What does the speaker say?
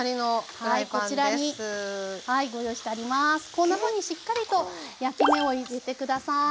こんなふうにしっかりと焼き目を入れて下さい。